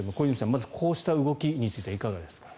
まずこうした動きについてはいかがですか？